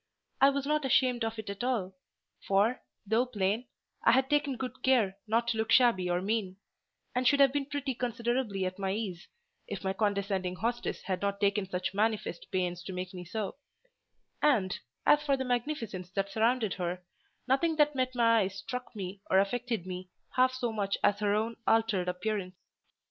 I was not ashamed of it at all; for, though plain, I had taken good care not to be shabby or mean, and should have been pretty considerably at my ease, if my condescending hostess had not taken such manifest pains to make me so; and, as for the magnificence that surrounded her, nothing that met my eyes struck me or affected me half so much as her own altered appearance.